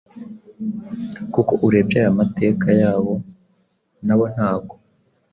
kuko urebye aya mateka yabo nabo ntago